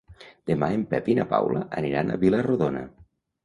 Demà en Pep i na Paula aniran a Vila-rodona.